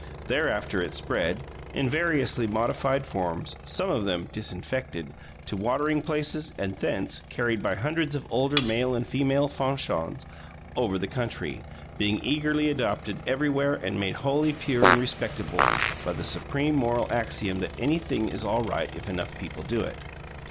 Thereafter it spread, in variously modified forms some of them disinfected to watering places, and thence, carried by hundreds of older male and female Fanchons, over the country, being eagerly adopted everywhere and made wholly pure and respectable by the supreme moral axiom that anything is all right if enough people do it.